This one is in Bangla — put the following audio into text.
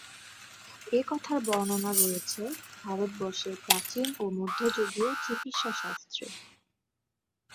এ কথার বর্ণনা রয়েছে ভারতবর্ষের প্রাচীন ও মধ্যযুগীয় চিকিৎসাশাস্ত্রে।